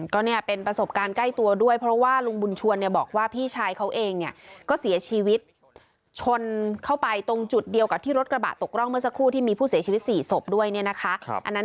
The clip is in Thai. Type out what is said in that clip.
ก็เนี่ยเป็นประสบการณ์ใกล้ตัวด้วยเพราะว่าลุงบุญชวนเนี่ยบอกว่าพี่ชายเขาเองเนี่ยก็เสียชีวิตชนเข้าไปตรงจุดเดียวกับที่รถกระบะตกร่องเมื่อสักครู่ที่มีผู้เสียชีวิต๔ศพด้วยเนี่ยนะคะ